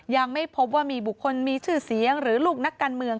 ยังไม่พบว่ามีบุคคลมีชื่อเสียงหรือลูกนักการเมือง